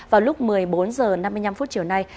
vào lúc một mươi bốn h năm mươi năm chiều nay